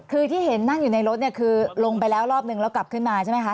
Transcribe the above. คือที่เห็นนั่งอยู่ในรถเนี่ยคือลงไปแล้วรอบนึงแล้วกลับขึ้นมาใช่ไหมคะ